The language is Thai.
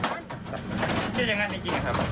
เชื่ออย่างนั้นจริงครับ